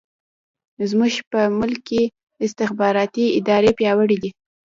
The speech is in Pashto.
زموږ په ملک کې استخباراتي ادارې پیاوړې دي.